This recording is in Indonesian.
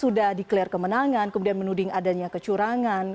sudah declare kemenangan kemudian menuding adanya kecurangan